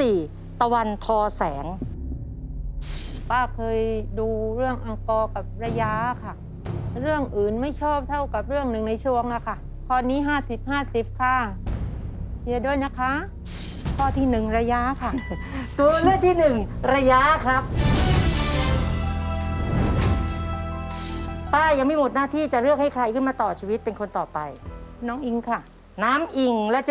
สิบหลายสิบหลายสิบหลายสิบหลายสิบหลายสิบหลายสิบหลายสิบหลาย